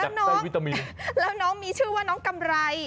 โอ้โหจากใส่วิตามินแล้วน้องมีชื่อว่าน้องกำไร